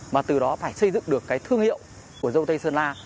mà từ đó phải xây dựng được cái thương hiệu của dâu tây sơn la